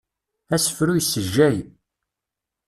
Asefru issejjay.